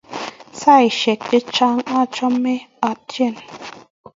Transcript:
Saisyek chechang' achame atyeni.